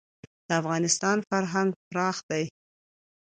د افغانستان فرهنګ پراخ دی.